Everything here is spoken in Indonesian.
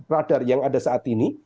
radar yang ada saat ini